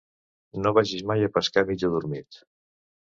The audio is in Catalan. No vagis mai a pescar mig adormit.